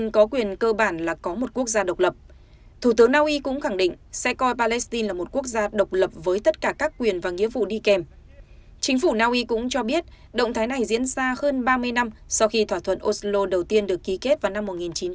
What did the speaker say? các bạn có biết động thái này diễn ra hơn ba mươi năm sau khi thỏa thuận oslo đầu tiên được ký kết vào năm một nghìn chín trăm chín mươi ba